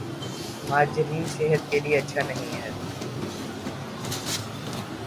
margarine صحت کے لئے اچھا نہیں ہے